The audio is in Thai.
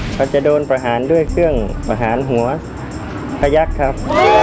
เขาจะโดนประหารด้วยเครื่องประหารหัวพยักษ์ครับ